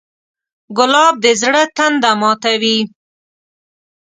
ګلاب د زړه تنده ماتوي.